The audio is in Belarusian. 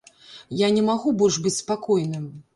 Я не магу больш быць спакойным.